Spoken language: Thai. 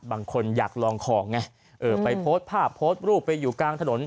บางคนอยากลองของไงเออไปโพสต์ภาพโพสต์รูปไปอยู่กลางถนน